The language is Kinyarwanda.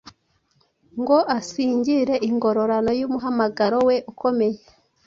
ngo asingire ingororano y’umuhamagaro we ukomeye.